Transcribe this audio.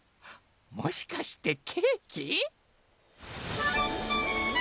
もしかしてケーキ？